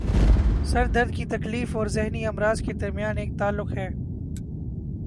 سر درد کی تکلیف اور ذہنی امراض کے درمیان ایک تعلق ہے